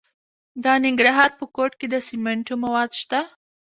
د ننګرهار په کوټ کې د سمنټو مواد شته.